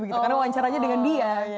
karena wawancaranya dengan dia